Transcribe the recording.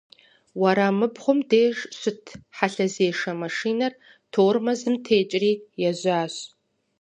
Уэрамыбгъум деж щыт хьэлъэзешэ машинэр тормозым текӀри ежьащ.